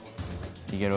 いける？